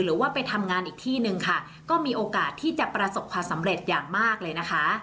หรือว่าไปทำงานอีกที่หนึ่งค่ะก็มีโอกาสที่จะประสบความสำเร็จอย่างมากเลยนะคะ